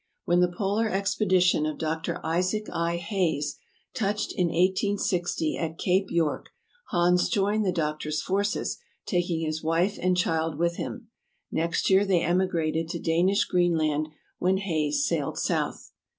When the polar expedition of Dr. Isaac I. Hayes touched in i860 at Cape York, Hans joined the doc tor's forces taking his wife and child with him; next year they emigrated to Danish Greenland when Hayes sailed south.